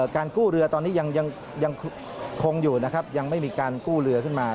การกู้เรือตอนนี้ยังคงอยู่นะครับยังไม่มีการกู้เรือขึ้นมา